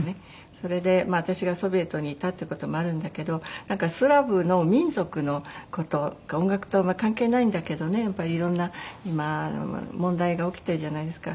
それで私がソビエトにいたって事もあるんだけどスラブの民族の事が音楽と関係ないんだけどね色んな問題が起きてるじゃないですか。